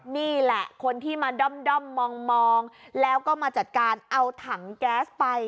นี่แหละคนที่มาด้อมมองแล้วก็มาจัดการเอาถังแก๊สไป